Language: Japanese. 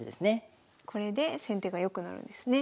これで先手が良くなるんですね。